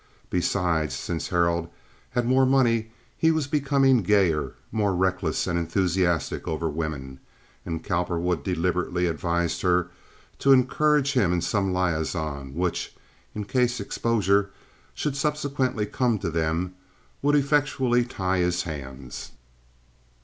Besides, since Harold had more money he was becoming gayer, more reckless and enthusiastic over women, and Cowperwood deliberately advised her to encourage him in some liaison which, in case exposure should subsequently come to them, would effectually tie his hands.